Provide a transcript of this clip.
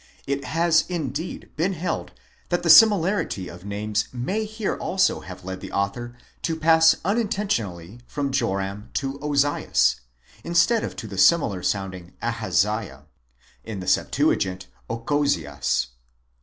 It has indeed been held that the similarity of names may here also have led the author to pass unintentionally from Joram to Ozias, instead of to the similar sounding Ahaziah (in the LXX. Ochozias).